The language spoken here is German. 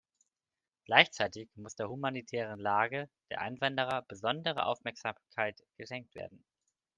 Gleichzeitig muss der humanitären Lage der Einwanderer besondere Aufmerksamkeit geschenkt werden.